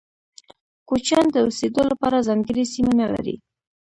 کوچيان د اوسيدو لپاره ځانګړي سیمه نلري.